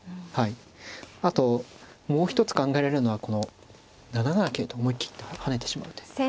あともう一つ考えられるのはこの７七桂と思い切って跳ねてしまう手。